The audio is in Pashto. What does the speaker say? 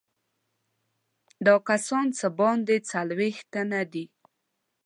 دا کسان څه باندې څلوېښت تنه دي.